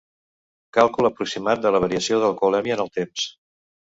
Càlcul aproximat de la variació d'alcoholèmia en el temps.